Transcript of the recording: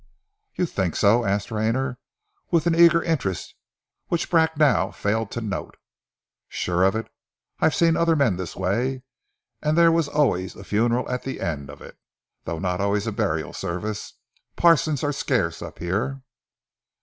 "You think so?" asked Rayner, with an eager interest which Bracknell failed to note. "Sure of it! I've seen other men this way and there was always a funeral at the end of it; though not always a burial service. Parsons are scarce up here!"